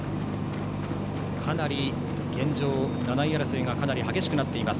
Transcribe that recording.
かなり現状、７位争いが激しくなっています。